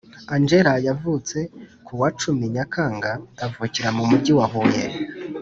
Angela yavutse ku wa cumi Nyakanga avukira mu mujyi wa Huye